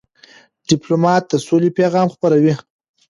ډيپلومات د سولې پیغام خپروي.